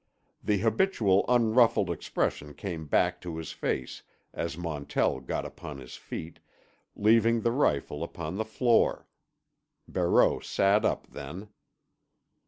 The habitual unruffled expression came back to his face as Montell got upon his feet, leaving the rifle upon the floor. Barreau sat up then.